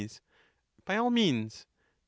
By all means. Str.